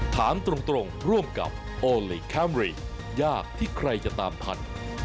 ถามตรงร่วมกับโอลี่คัมรี่ยากที่ใครจะตามทัน